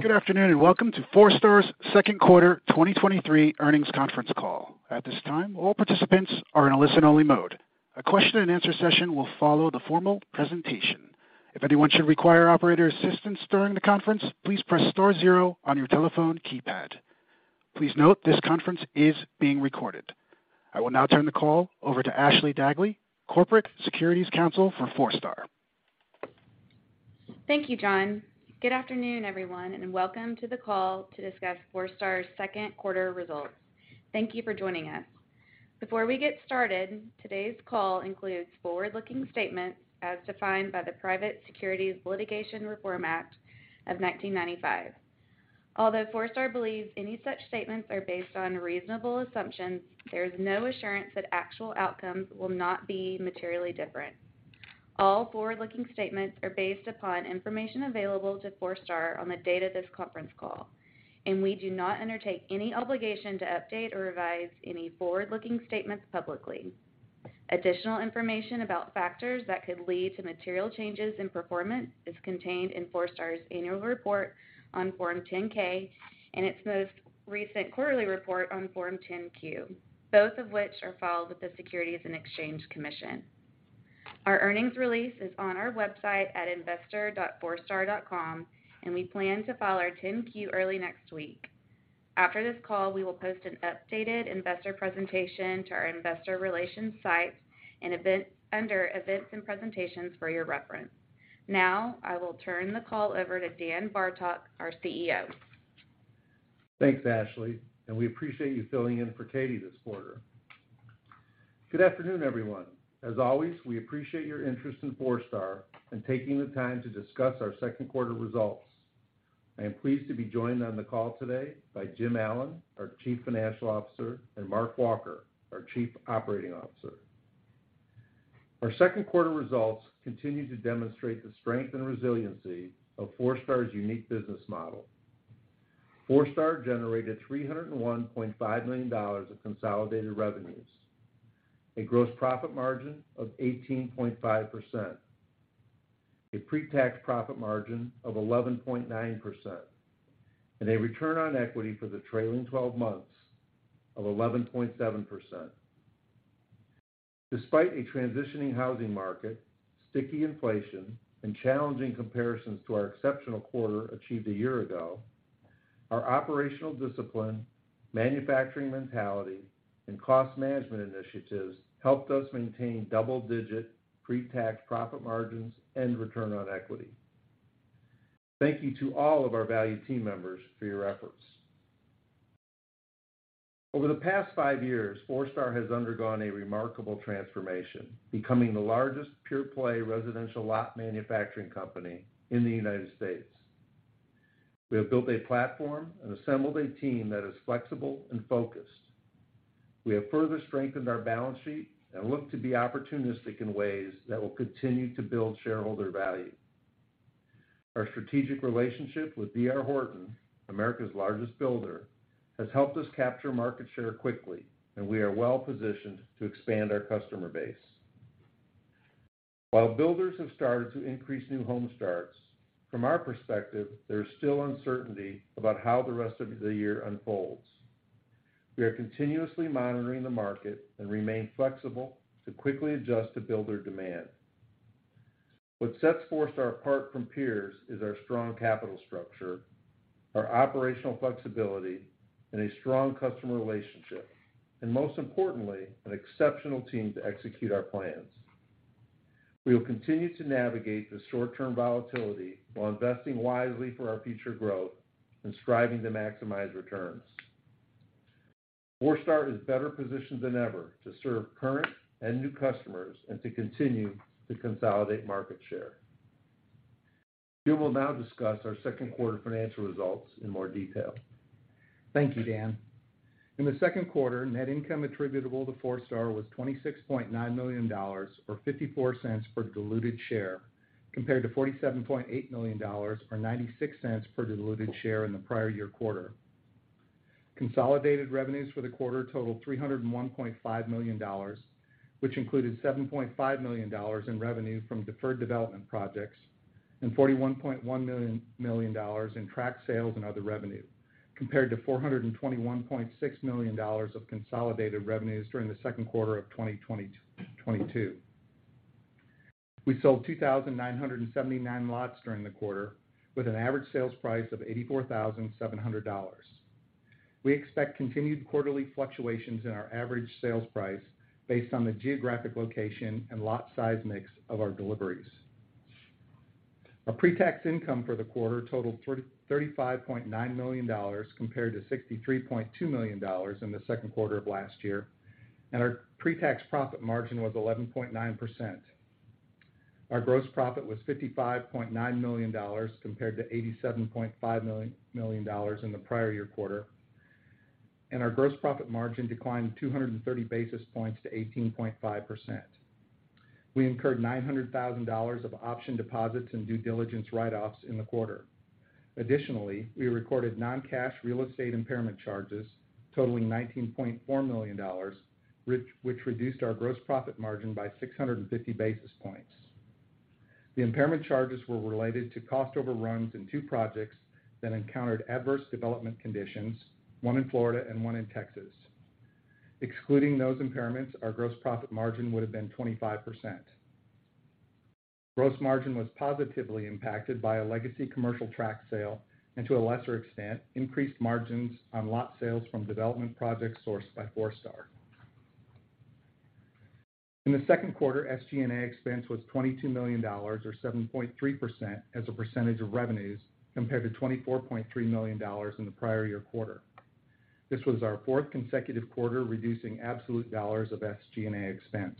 Good afternoon, welcome to Forestar's second quarter 2023 earnings conference call. At this time, all participants are in a listen-only mode. A question-and-answer session will follow the formal presentation. If anyone should require operator assistance during the conference, please press star zero on your telephone keypad. Please note this conference is being recorded. I will now turn the call over to Ashley Dagley, Corporate Securities Counsel for Forestar. Thank you, John. Good afternoon, everyone, and welcome to the call to discuss Forestar's second quarter results. Thank you for joining us. Before we get started, today's call includes forward-looking statements as defined by the Private Securities Litigation Reform Act of 1995. Although Forestar believes any such statements are based on reasonable assumptions, there is no assurance that actual outcomes will not be materially different. All forward-looking statements are based upon information available to Forestar on the date of this conference call, and we do not undertake any obligation to update or revise any forward-looking statements publicly. Additional information about factors that could lead to material changes in performance is contained in Forestar's annual report on Form 10-K and its most recent quarterly report on Form 10-Q, both of which are filed with the Securities and Exchange Commission. Our earnings release is on our website at investor.forestar.com, and we plan to file our 10-Q early next week. After this call, we will post an updated investor presentation to our investor relations site under Events and Presentations for your reference. Now, I will turn the call over to Dan Bartok, our CEO. Thanks, Ashley. We appreciate you filling in for Katie this quarter. Good afternoon, everyone. As always, we appreciate your interest in Forestar and taking the time to discuss our second quarter results. I am pleased to be joined on the call today by Jim Allen, our Chief Financial Officer, and Mark Walker, our Chief Operating Officer. Our second quarter results continue to demonstrate the strength and resiliency of Forestar's unique business model. Forestar generated $301.5 million of consolidated revenues, a gross profit margin of 18.5%, a pre-tax profit margin of 11.9%, and a return on equity for the trailing 12 months of 11.7%. Despite a transitioning housing market, sticky inflation, and challenging comparisons to our exceptional quarter achieved a year ago, our operational discipline, manufacturing mentality, and cost management initiatives helped us maintain double-digit pre-tax profit margins and return on equity. Thank you to all of our valued team members for your efforts. Over the past five years, Forestar has undergone a remarkable transformation, becoming the largest pure-play residential lot manufacturing company in the United States. We have built a platform and assembled a team that is flexible and focused. We have further strengthened our balance sheet and look to be opportunistic in ways that will continue to build shareholder value. Our strategic relationship with D.R. Horton, America's largest builder, has helped us capture market share quickly, and we are well-positioned to expand our customer base. While builders have started to increase new home starts, from our perspective, there is still uncertainty about how the rest of the year unfolds. We are continuously monitoring the market and remain flexible to quickly adjust to builder demand. What sets Forestar apart from peers is our strong capital structure, our operational flexibility and a strong customer relationship, and most importantly, an exceptional team to execute our plans. We will continue to navigate the short-term volatility while investing wisely for our future growth and striving to maximize returns. Forestar is better positioned than ever to serve current and new customers and to continue to consolidate market share. Jim will now discuss our second quarter financial results in more detail. Thank you, Dan. In the second quarter, net income attributable to Forestar was $26.9 million, or $0.54 per diluted share, compared to $47.8 million, or $0.96 per diluted share in the prior year quarter. Consolidated revenues for the quarter totaled $301.5 million, which included $7.5 million in revenue from deferred development projects and $41.1 million in track sales and other revenue, compared to $421.6 million of consolidated revenues during the second quarter of 2022. We sold 2,979 lots during the quarter, with an average sales price of $84,700. We expect continued quarterly fluctuations in our average sales price based on the geographic location and lot size mix of our deliveries. Our pre-tax income for the quarter totaled $35.9 million compared to $63.2 million in the second quarter of last year. Our pre-tax profit margin was 11.9%. Our gross profit was $55.9 million compared to $87.5 million in the prior year quarter. Our gross profit margin declined 230 basis points to 18.5%. We incurred $900,000 of option deposits and due diligence write-offs in the quarter. Additionally, we recorded non-cash real estate impairment charges totaling $19.4 million, which reduced our gross profit margin by 650 basis points. The impairment charges were related to cost overruns in two projects that encountered adverse development conditions, one in Florida and one in Texas. Excluding those impairments, our gross profit margin would have been 25%. Gross margin was positively impacted by a legacy commercial track sale and to a lesser extent, increased margins on lot sales from development projects sourced by Forestar. In the second quarter, SG&A expense was $22 million, or 7.3% as a percentage of revenues compared to $24.3 million in the prior year quarter. This was our fourth consecutive quarter, reducing absolute dollars of SG&A expense.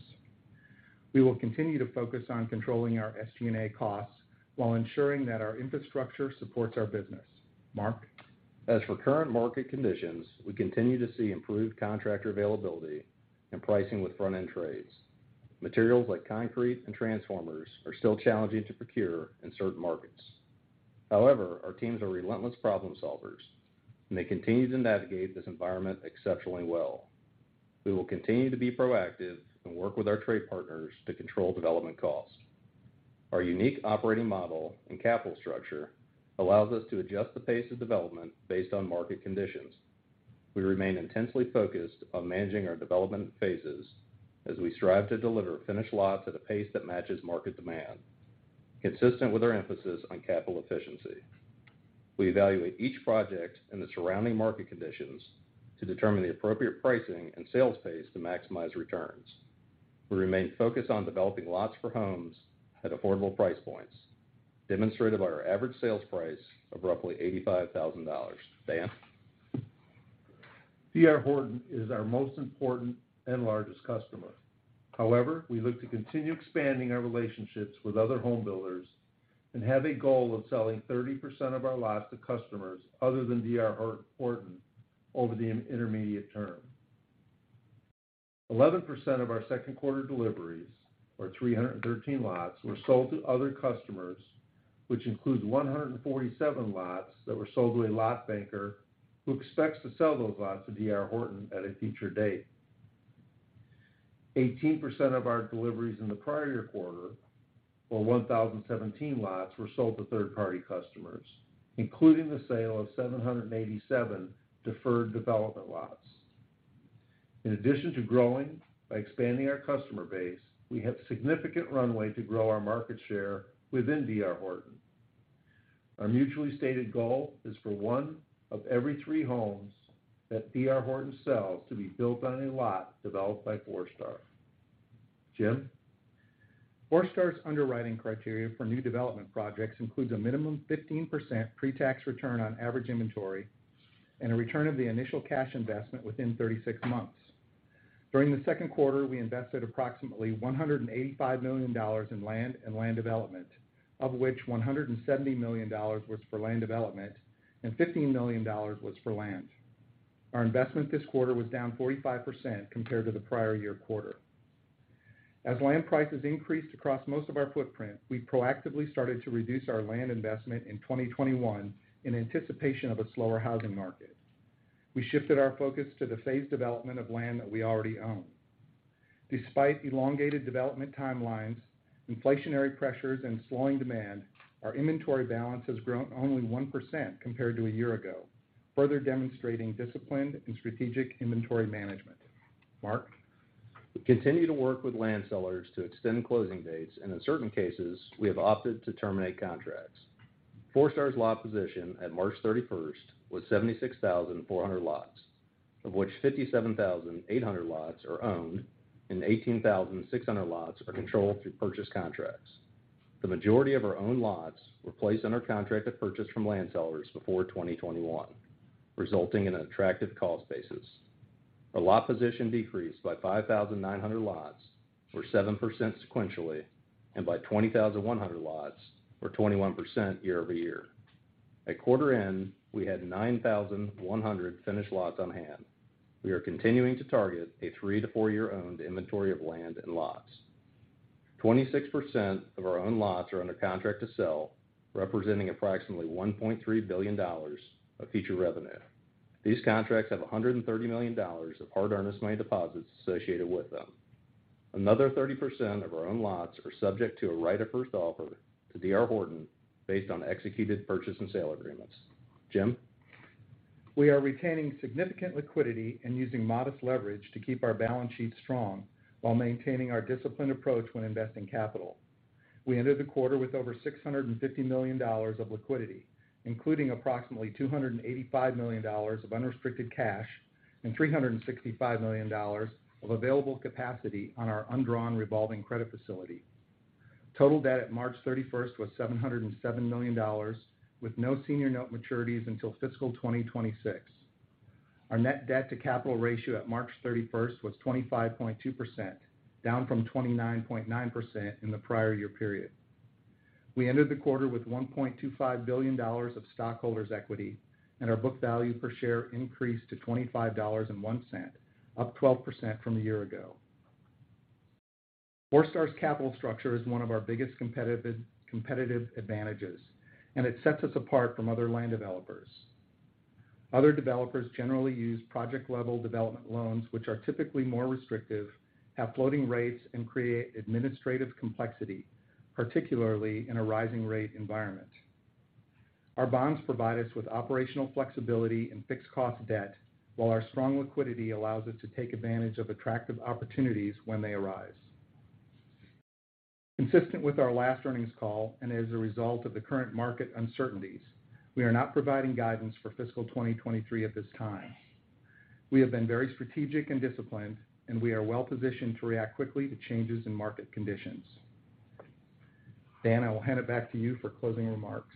We will continue to focus on controlling our SG&A costs while ensuring that our infrastructure supports our business. Mark? As for current market conditions, we continue to see improved contractor availability and pricing with front-end trades. Materials like concrete and transformers are still challenging to procure in certain markets. However, our teams are relentless problem solvers, and they continue to navigate this environment exceptionally well. We will continue to be proactive and work with our trade partners to control development costs. Our unique operating model and capital structure allows us to adjust the pace of development based on market conditions. We remain intensely focused on managing our development phases as we strive to deliver finished lots at a pace that matches market demand, consistent with our emphasis on capital efficiency. We evaluate each project and the surrounding market conditions to determine the appropriate pricing and sales pace to maximize returns. We remain focused on developing lots for homes at affordable price points, demonstrated by our average sales price of roughly $85,000. Dan? D.R. Horton is our most important and largest customer. We look to continue expanding our relationships with other home builders and have a goal of selling 30% of our lots to customers other than D.R. Horton over the intermediate term. 11% of our second quarter deliveries, or 313 lots, were sold to other customers, which includes 147 lots that were sold to a lot banker who expects to sell those lots to D.R. Horton at a future date. 18% of our deliveries in the prior quarter, or 1,017 lots, were sold to third-party customers, including the sale of 787 deferred development lots. In addition to growing by expanding our customer base, we have significant runway to grow our market share within D.R. Horton. Our mutually stated goal is for one of every three homes that D.R. Horton sells to be built on a lot developed by Forestar. Jim? Forestar's underwriting criteria for new development projects includes a minimum 15% pre-tax return on average inventory and a return of the initial cash investment within 36 months. During the second quarter, we invested approximately $185 million in land and land development, of which $170 million was for land development and $15 million was for land. Our investment this quarter was down 45% compared to the prior-year quarter. As land prices increased across most of our footprint, we proactively started to reduce our land investment in 2021 in anticipation of a slower housing market. We shifted our focus to the phased development of land that we already own. Despite elongated development timelines, inflationary pressures, and slowing demand, our inventory balance has grown only 1% compared to a year ago, further demonstrating disciplined and strategic inventory management. Mark? We continue to work with land sellers to extend closing dates, and in certain cases, we have opted to terminate contracts. Forestar's lot position at March 31st was 76,400 lots, of which 57,800 lots are owned and 18,600 lots are controlled through purchase contracts. The majority of our own lots were placed under contract to purchase from land sellers before 2021, resulting in an attractive cost basis. Our lot position decreased by 5,900 lots or 7% sequentially, and by 20,100 lots or 21% year-over-year. At quarter end, we had 9,100 finished lots on hand. We are continuing to target a three- to four-year owned inventory of land and lots. 26% of our own lots are under contract to sell, representing approximately $1.3 billion of future revenue. These contracts have $130 million of hard earnest money deposits associated with them. Another 30% of our own lots are subject to a right of first offer to D.R. Horton based on executed purchase and sale agreements. Jim? We are retaining significant liquidity and using modest leverage to keep our balance sheet strong while maintaining our disciplined approach when investing capital. We ended the quarter with over $650 million of liquidity, including approximately $285 million of unrestricted cash and $365 million of available capacity on our undrawn revolving credit facility. Total debt at March 31st was $707 million, with no senior note maturities until fiscal 2026. Our net debt-to-capital ratio at March 31st was 25.2%, down from 29.9% in the prior year period. We ended the quarter with $1.25 billion of stockholders' equity, and our book value per share increased to $25.01, up 12% from a year ago. Forestar's capital structure is one of our biggest competitive advantages, and it sets us apart from other land developers. Other developers generally use project-level development loans, which are typically more restrictive, have floating rates, and create administrative complexity, particularly in a rising rate environment. Our bonds provide us with operational flexibility and fixed cost debt, while our strong liquidity allows us to take advantage of attractive opportunities when they arise. Consistent with our last earnings call, and as a result of the current market uncertainties, we are not providing guidance for fiscal 2023 at this time. We have been very strategic and disciplined, and we are well-positioned to react quickly to changes in market conditions. Dan, I will hand it back to you for closing remarks.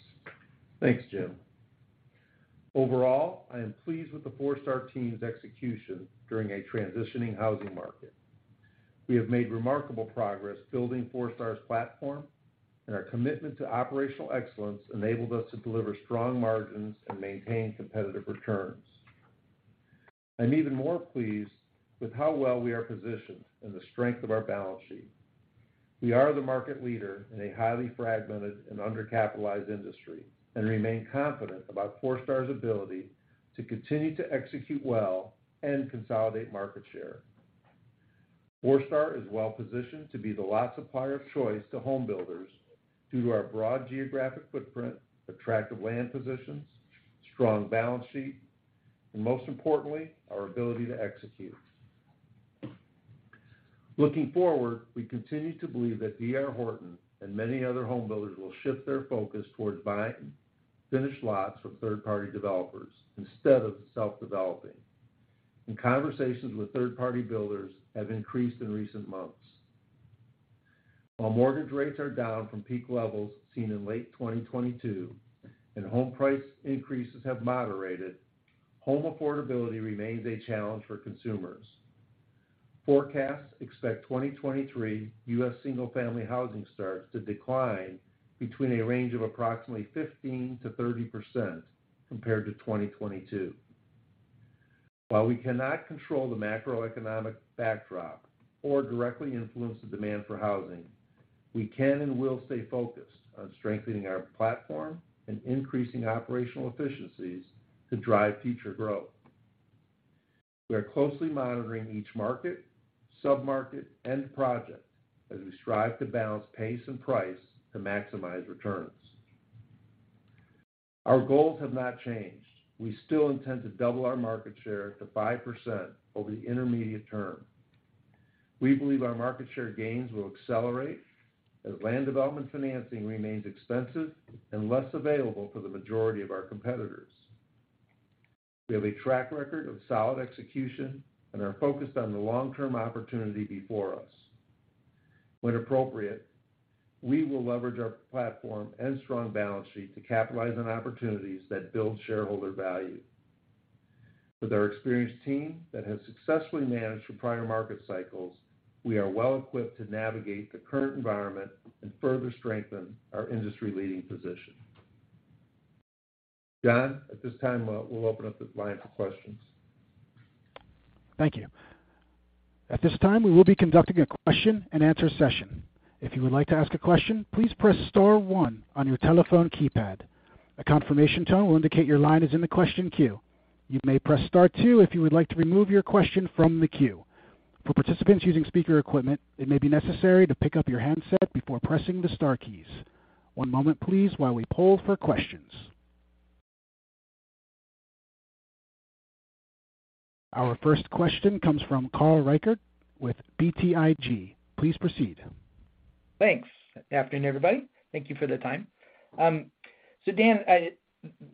Thanks, Jim. I am pleased with the Forestar team's execution during a transitioning housing market. We have made remarkable progress building Forestar's platform, our commitment to operational excellence enabled us to deliver strong margins and maintain competitive returns. I'm even more pleased with how well we are positioned and the strength of our balance sheet. We are the market leader in a highly fragmented and undercapitalized industry, remain confident about Forestar's ability to continue to execute well and consolidate market share. Forestar is well positioned to be the lot supplier of choice to home builders due to our broad geographic footprint, attractive land positions, strong balance sheet, and most importantly, our ability to execute. Looking forward, we continue to believe that D.R. Horton and many other home builders will shift their focus towards buying finished lots from third-party developers instead of self-developing. Conversations with third-party builders have increased in recent months. While mortgage rates are down from peak levels seen in late 2022 and home price increases have moderated, home affordability remains a challenge for consumers. Forecasts expect 2023 U.S. single-family housing starts to decline between a range of approximately 15%-30% compared to 2022. While we cannot control the macroeconomic backdrop or directly influence the demand for housing, we can and will stay focused on strengthening our platform and increasing operational efficiencies to drive future growth. We are closely monitoring each market, sub-market, and project as we strive to balance pace and price to maximize returns. Our goals have not changed. We still intend to double our market share to 5% over the intermediate term. We believe our market share gains will accelerate as land development financing remains expensive and less available for the majority of our competitors. We have a track record of solid execution and are focused on the long-term opportunity before us. When appropriate, we will leverage our platform and strong balance sheet to capitalize on opportunities that build shareholder value. With our experienced team that has successfully managed for prior market cycles, we are well equipped to navigate the current environment and further strengthen our industry-leading position. John, at this time, we'll open up the line for questions. Thank you. At this time, we will be conducting a question-and-answer session. If you would like to ask a question, please press star one on your telephone keypad. A confirmation tone will indicate your line is in the question queue. You may press star two if you would like to remove your question from the queue. For participants using speaker equipment, it may be necessary to pick up your handset before pressing the star keys. One moment, please, while we poll for questions. Our first question comes from Carl Reichardt with BTIG. Please proceed. Thanks. Afternoon, everybody. Thank you for the time. Dan,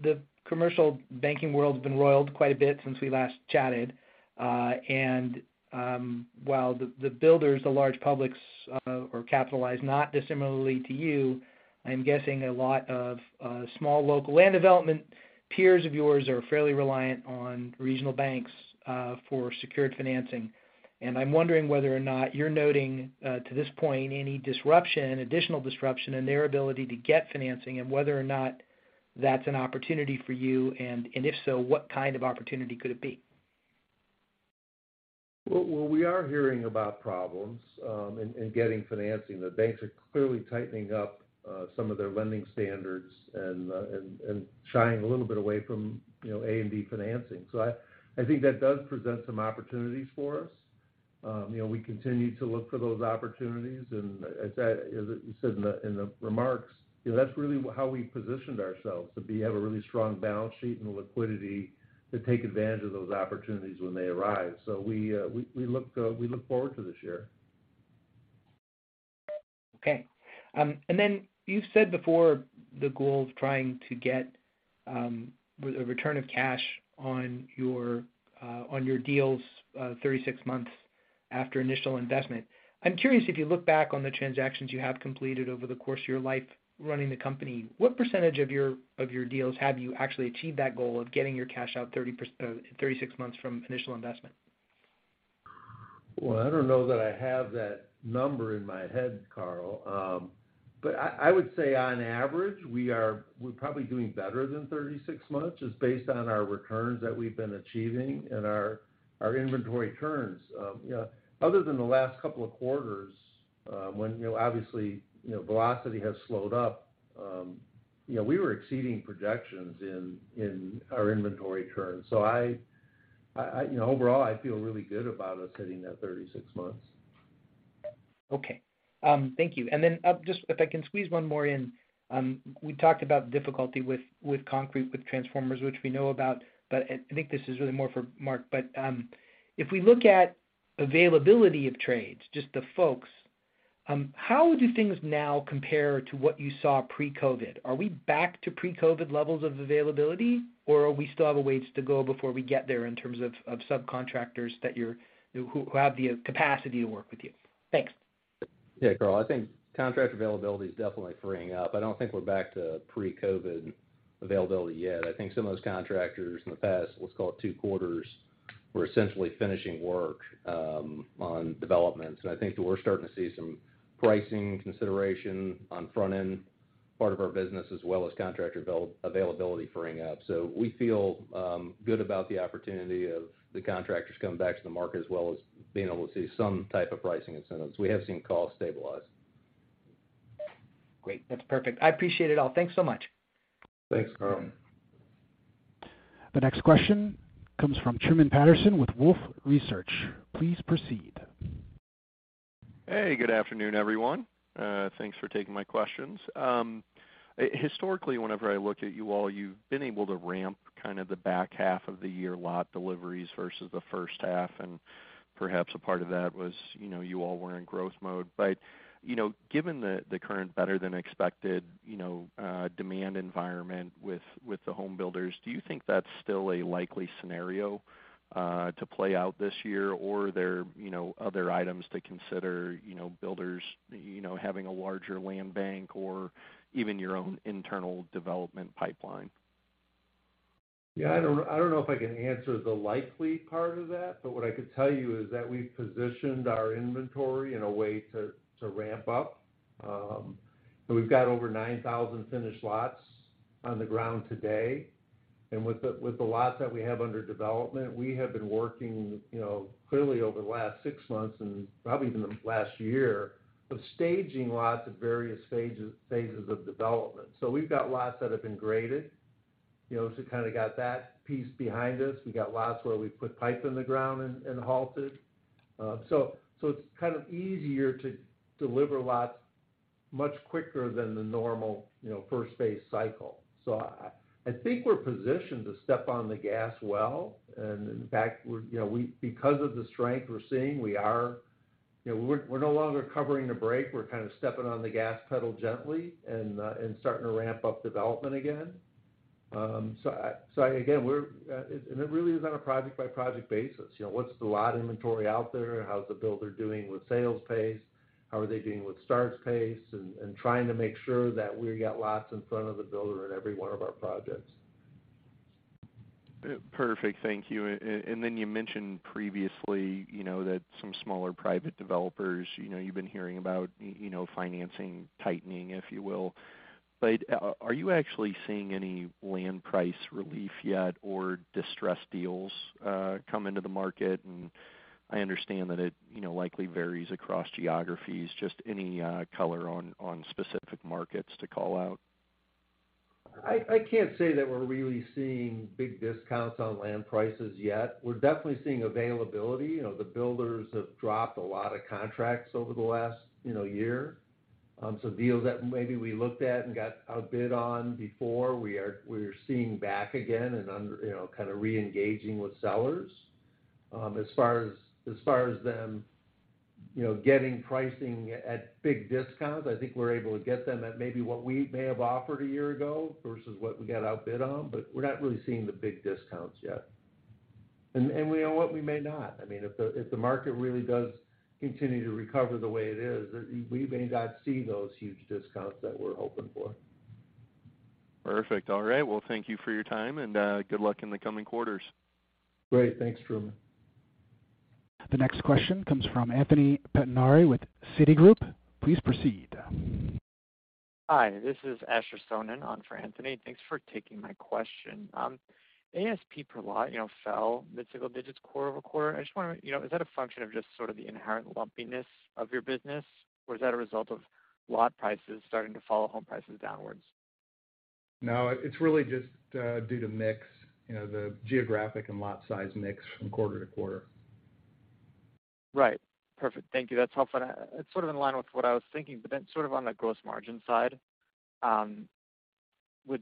the commercial banking world's been roiled quite a bit since we last chatted. While the builders, the large publics, are capitalized not dissimilarly to you, I'm guessing a lot of small local land development peers of yours are fairly reliant on regional banks for secured financing. I'm wondering whether or not you're noting to this point, any disruption, additional disruption in their ability to get financing, and whether or not that's an opportunity for you. And if so, what kind of opportunity could it be? Well, we are hearing about problems in getting financing. The banks are clearly tightening up some of their lending standards and shying a little bit away from, you know, A&D financing. I think that does present some opportunities for us. You know, we continue to look for those opportunities. As I said in the remarks, you know, that's really how we positioned ourselves to be, have a really strong balance sheet and liquidity to take advantage of those opportunities when they arise. We look forward to this year. Okay. You've said before the goal of trying to get a return of cash on your on your deals 36 months after initial investment. I'm curious if you look back on the transactions you have completed over the course of your life running the company, what % of your, of your deals have you actually achieved that goal of getting your cash out 36 months from initial investment? I don't know that I have that number in my head, Carl. I would say on average, we're probably doing better than 36 months, just based on our returns that we've been achieving and our inventory turns. You know, other than the last couple of quarters, when, you know, obviously, you know, velocity has slowed up, you know, we were exceeding projections in our inventory turns. I, you know, overall, I feel really good about us hitting that 36 months. Okay. Thank you. Just if I can squeeze one more in. We talked about difficulty with concrete, with transformers, which we know about, I think this is really more for Mark. If we look at availability of trades, just the folks, how do things now compare to what you saw pre-COVID? Are we back to pre-COVID levels of availability, or are we still have a ways to go before we get there in terms of subcontractors who have the capacity to work with you? Thanks. Yeah, Carl. I think contract availability is definitely freeing up. I don't think we're back to pre-COVID availability yet. I think some of those contractors in the past, let's call it two quarters, were essentially finishing work on developments. I think that we're starting to see some pricing consideration on front end part of our business, as well as contractor availability freeing up. We feel good about the opportunity of the contractors coming back to the market, as well as being able to see some type of pricing incentives. We have seen costs stabilize. Great. That's perfect. I appreciate it all. Thanks so much. Thanks, Carl. Thanks. The next question comes from Truman Patterson with Wolfe Research. Please proceed. Hey, good afternoon, everyone. Thanks for taking my questions. Historically, whenever I look at you all, you've been able to ramp kind of the back half of the year lot deliveries versus the first half. Perhaps a part of that was, you know, you all were in growth mode. You know, given the current better than expected, you know, demand environment with the home builders, do you think that's still a likely scenario to play out this year? Are there, you know, other items to consider, you know, builders, you know, having a larger land bank or even your own internal development pipeline? Yeah, I don't know if I can answer the likely part of that, but what I could tell you is that we've positioned our inventory in a way to ramp up. We've got over 9,000 finished lots on the ground today. With the lots that we have under development, we have been working, you know, clearly over the last six months and probably even the last year, of staging lots at various stages of development. We've got lots that have been graded. You know, kind of got that piece behind us. We got lots where we put pipe in the ground and halted. So it's kind of easier to deliver lots much quicker than the normal, you know, first phase cycle. I think we're positioned to step on the gas well, and in fact, we're, you know, because of the strength we're seeing, we are. You know, we're no longer covering the brake, we're kind of stepping on the gas pedal gently and starting to ramp up development again. I again, we're, and it really is on a project-by-project basis. You know, what's the lot inventory out there? How's the builder doing with sales pace? How are they doing with starts pace? Trying to make sure that we've got lots in front of the builder in every one of our projects. Perfect. Thank you. Then you mentioned previously, you know, that some smaller private developers, you know, you've been hearing about, you know, financing tightening, if you will. Are you actually seeing any land price relief yet or distressed deals come into the market? I understand that it, you know, likely varies across geographies. Just any color on specific markets to call out. I can't say that we're really seeing big discounts on land prices yet. We're definitely seeing availability. You know, the builders have dropped a lot of contracts over the last, you know, year. Some deals that maybe we looked at and got outbid on before, we're seeing back again and under, you know, kind of re-engaging with sellers. As far as them, you know, getting pricing at big discounts, I think we're able to get them at maybe what we may have offered a year ago versus what we got outbid on, but we're not really seeing the big discounts yet. You know what? We may not. I mean, if the market really does continue to recover the way it is, we may not see those huge discounts that we're hoping for. Perfect. All right. Well, thank you for your time, and good luck in the coming quarters. Great. Thanks, Truman. The next question comes from Anthony Pettinari with Citigroup. Please proceed. Hi, this is Asher Sohnen on for Anthony Pettinari. Thanks for taking my question. ASP per lot, you know, fell mid-single digits quarter-over-quarter. You know, is that a function of just sort of the inherent lumpiness of your business, or is that a result of lot prices starting to follow home prices downwards? No, it's really just, due to mix, you know, the geographic and lot size mix from quarter-to-quarter. Right. Perfect. Thank you. That's helpful. It's sort of in line with what I was thinking, sort of on the gross margin side, is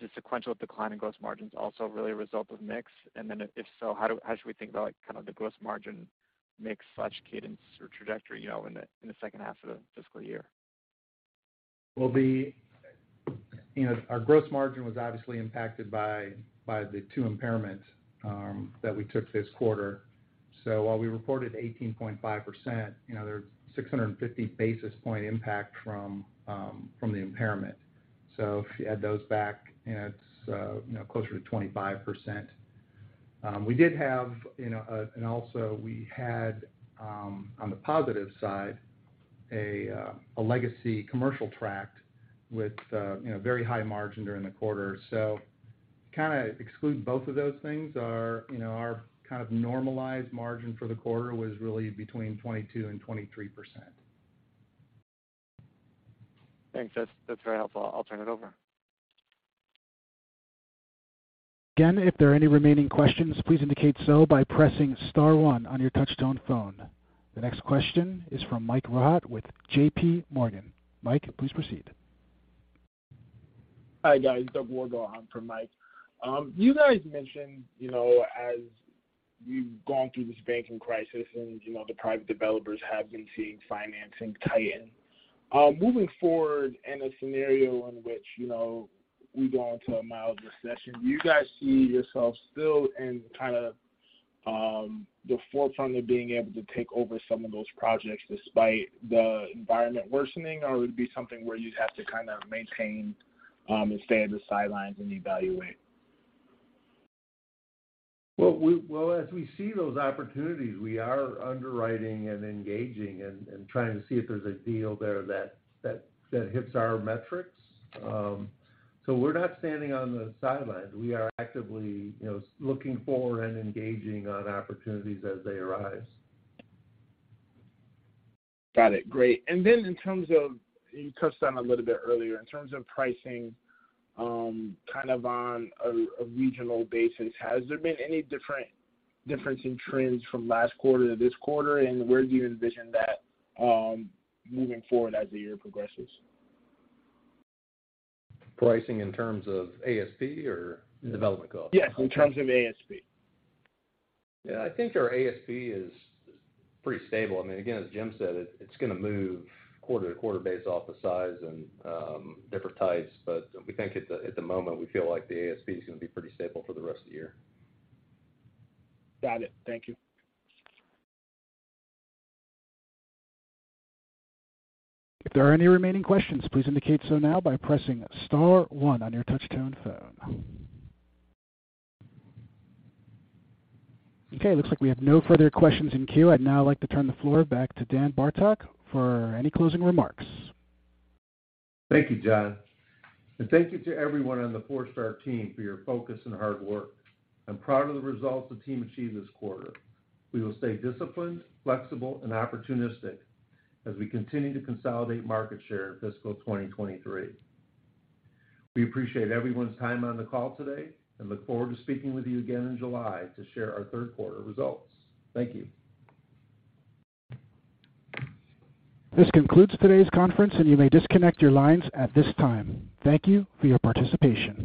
the sequential decline in gross margins also really a result of mix? If so, how should we think about kind of the gross margin mix, such cadence or trajectory, you know, in the second half of the fiscal year? You know, our gross margin was obviously impacted by the two impairments that we took this quarter. While we reported 18.5%, you know, there's 650 basis point impact from the impairment. If you add those back, and it's, you know, closer to 25%. We did have, you know, also we had, on the positive side, a legacy commercial tract with, you know, very high margin during the quarter. Kinda exclude both of those things, our, you know, our kind of normalized margin for the quarter was really between 22% and 23%. Thanks. That's very helpful. I'll turn it over. If there are any remaining questions, please indicate so by pressing star one on your touchtone phone. The next question is from Mike Rehaut with J.P. Morgan. Mike, please proceed. Hi, guys. Doug Wardlaw on for Mike. You guys mentioned, you know, as you've gone through this banking crisis and, you know, the private developers have been seeing financing tighten. Moving forward in a scenario in which, you know, we go into a milder session, do you guys see yourselves still in kinda the forefront of being able to take over some of those projects despite the environment worsening? Or would it be something where you'd have to kind of maintain and stay on the sidelines and evaluate? Well, as we see those opportunities, we are underwriting and engaging and trying to see if there's a deal there that hits our metrics. We're not standing on the sidelines. We are actively, you know, looking for and engaging on opportunities as they arise. Got it. Great. In terms of. You touched on a little bit earlier, in terms of pricing, kind of on a regional basis, has there been any difference in trends from last quarter to this quarter? Where do you envision that moving forward as the year progresses? Pricing in terms of ASP or development costs? Yes, in terms of ASP. Yeah. I think our ASP is pretty stable. I mean, again, as Jim said, it's gonna move quarter to quarter based off the size and different types, but we think at the moment, we feel like the ASP is gonna be pretty stable for the rest of the year. Got it. Thank you. If there are any remaining questions, please indicate so now by pressing star one on your touchtone phone. Okay, looks like we have no further questions in queue. I'd now like to turn the floor back to Dan Bartok for any closing remarks. Thank you, John. Thank you to everyone on the Forestar team for your focus and hard work. I'm proud of the results the team achieved this quarter. We will stay disciplined, flexible, and opportunistic as we continue to consolidate market share in fiscal 2023. We appreciate everyone's time on the call today and look forward to speaking with you again in July to share our third quarter results. Thank you. This concludes today's conference, and you may disconnect your lines at this time. Thank you for your participation.